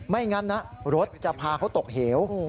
งั้นนะรถจะพาเขาตกเหว